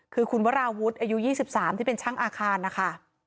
คือคุณวราวุฒิอายุ๒๓ที่เป็นช่างอาคารนะคะ